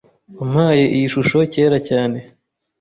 Wampaye iyi shusho kera cyane.